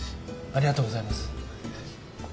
ありがとうございます。